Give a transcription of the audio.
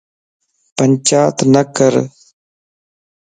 پنچاتَ نڪر